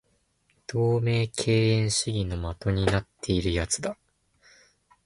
同盟敬遠主義の的になっている奴だ